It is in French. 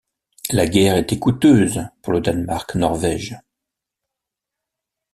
La guerre était coûteuse pour le Danemark-Norvège.